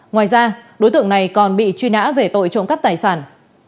ngoài ra đối tượng này còn bị truy nã về tội trộm cắp tài sản